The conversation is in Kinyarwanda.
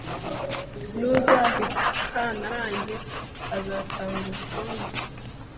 nuzava i Kantarange azasange ubukombe